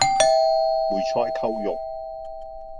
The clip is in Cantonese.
梅菜扣肉